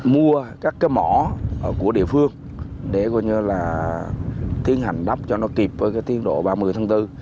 mua các cái mỏ của địa phương để coi như là tiến hành đắp cho nó kịp với cái tiến độ ba mươi tháng bốn